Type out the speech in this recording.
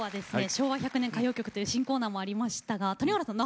「昭和１００年歌謡曲」という新コーナーもありましたが谷原さん